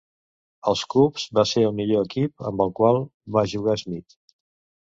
Els Cubs van ser el millor equip amb el qual va jugar Smith.